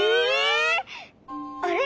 あれ？